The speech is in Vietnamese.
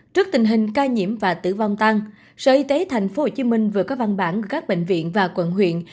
trước tình hình ca nhiễm và tử vong tăng sở y tế tp hcm vừa có văn bản gửi các bệnh viện và quận huyện